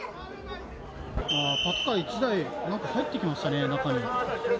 パトカー１台、なんか入ってきましたね、中に。